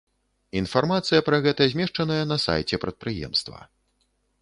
Інфармацыя пра гэта змешчаная на сайце прадпрыемства.